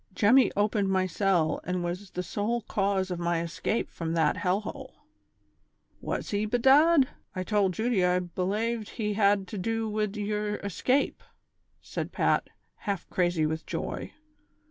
Jemmy opened my cell and was the sole cause of my escape from that liell hole." " Was he, bedad '!* I tould Judy I belaved he had to do wid yer escape," said Pat, half crazy with joy.